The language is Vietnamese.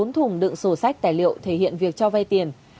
bốn thùng đựng sổ sách tài liệu thể hiện việc cho vay tiền